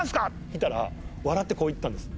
言ったら笑ってこう言ったんです。